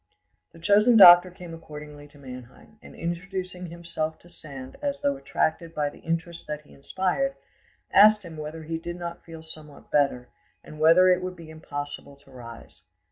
The chosen doctor came accordingly to Mannheim, and introducing himself to Sand as though attracted by the interest that he inspired, asked him whether he did not feel somewhat better, and whether it would be impossible to rise.